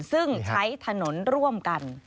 ซึ่งใช้ถนนร่วมกัน